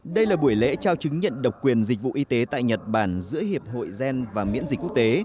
đây là buổi lễ trao chứng nhận độc quyền dịch vụ y tế tại nhật bản giữa hiệp hội gen và miễn dịch quốc tế